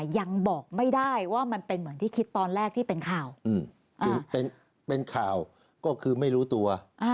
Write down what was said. ยังบอกไม่ได้ว่ามันเป็นเหมือนที่คิดตอนแรกที่เป็นข่าว